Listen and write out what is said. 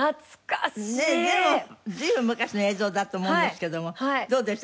随分昔の映像だと思うんですけどもどうでした？